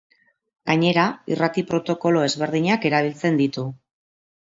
Gainera, irrati protokolo ezberdinak erabiltzen ditu.